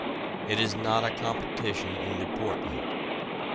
It is not a competition in deportment.